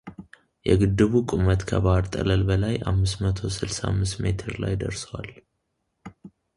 የግድቡ ቁመት ከባህር ጠለል በላይ አምስት መቶ ስልሳ አምስት ሜትር ላይ ደርሷል